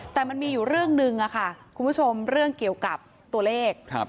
แต่มันมีอยู่เรื่องหนึ่งค่ะคุณผู้ชมเรื่องเกี่ยวกับตัวเลข